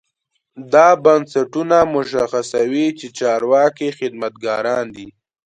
دا بنسټونه مشخصوي چې چارواکي خدمتګاران دي.